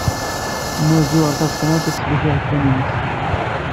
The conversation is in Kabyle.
Nna Lǧuheṛ Tabetṛunt ad tsellek iɣef-nnes.